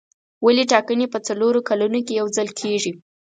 ولې ټاکنې په څلورو کلونو کې یو ځل کېږي.